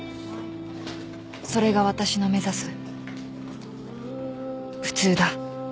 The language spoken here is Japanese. ［それが私の目指す普通だ］